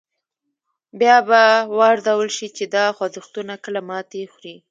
بیا به و ارزول شي چې دا خوځښتونه کله ماتې خوري.